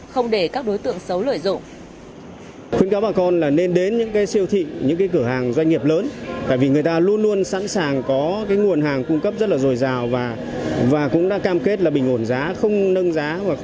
không để các đối tượng xấu lợi dụng